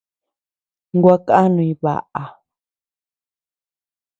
Gua kanuñ baʼa.